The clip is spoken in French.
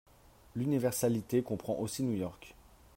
L’universalité comprend aussi New York